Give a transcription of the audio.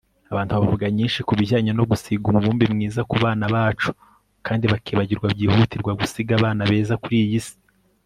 Abantu bavuga byinshi kubijyanye no gusiga umubumbe mwiza kubana bacu kandi bakibagirwa byihutirwa gusiga abana beza kuri iyi si